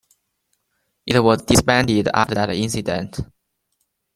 It was disbanded after that incident.